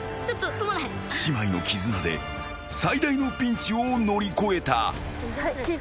［姉妹の絆で最大のピンチを乗り越えた］